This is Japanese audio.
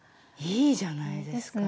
いいじゃないですか。